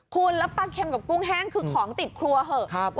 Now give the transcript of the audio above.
คุณแล้วปลาเค็มกับกุ้งแห้งคือของติดครัวเหอะ